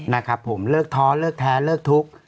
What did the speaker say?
นะครับผมเลิกท้อเลิกแท้เลิกทุกข์